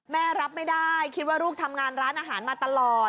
รับไม่ได้คิดว่าลูกทำงานร้านอาหารมาตลอด